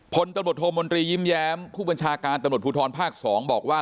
พลตำรวจโทมนตรียิ้มแย้มผู้บัญชาการตำรวจภูทรภาค๒บอกว่า